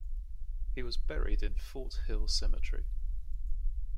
He was buried in Fort Hill Cemetery.